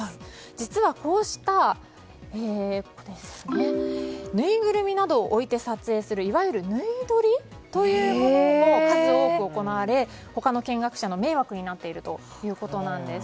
実は、こうしたぬいぐるみなどを置いて撮影するいわゆる、ぬい撮りというものも数多く行われ他の見学者の迷惑になっているということです。